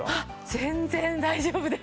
全然大丈夫です。